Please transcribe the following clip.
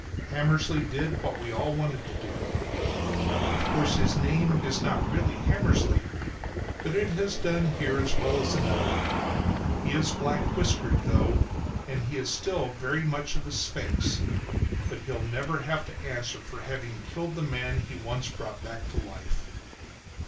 Hammersly did what we all wanted to do. Of course his name is not really Hammersly, but it has done here as well as another. He is black whiskered though, and he is still very much of a sphinx, but he'll never have to answer for having killed the man he once brought back to life.